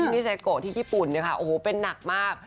ที่นิเซโกที่ญี่ปุ่นนะคะโอ้โหเป็นนักมาก